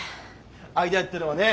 アイデアっていうのはね